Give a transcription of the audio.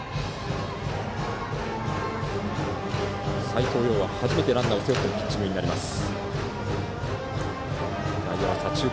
斎藤蓉は初めてランナーを背負ってのピッチングになります。